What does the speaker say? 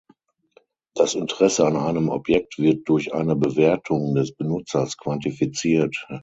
Das Interesse an einem Objekt wird durch eine "Bewertung" des Benutzers quantifiziert.